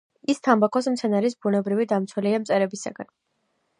ის თამბაქოს მცენარის ბუნებრივი დამცველია მწერებისაგან.